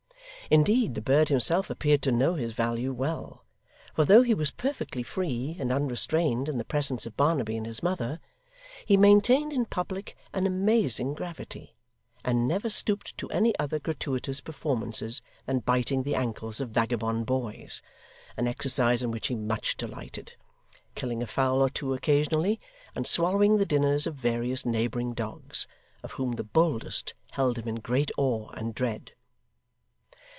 Indeed, the bird himself appeared to know his value well; for though he was perfectly free and unrestrained in the presence of Barnaby and his mother, he maintained in public an amazing gravity, and never stooped to any other gratuitous performances than biting the ankles of vagabond boys (an exercise in which he much delighted), killing a fowl or two occasionally, and swallowing the dinners of various neighbouring dogs, of whom the boldest held him in great awe and dread.